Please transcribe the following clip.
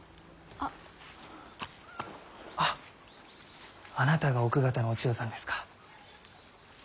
ああなたが奥方のお千代さんですか。